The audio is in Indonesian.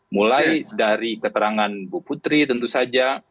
mulai dari keterangan bu putri tentu saja